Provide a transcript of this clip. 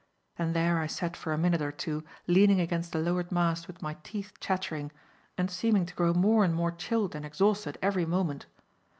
And there I sat for a minute or two leaning against the lowered mast with my teeth chattering, and seeming to grow more and more chilled and exhausted every moment.